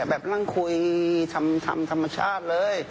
แบบนั่งคุยทำธรรมชาติเลย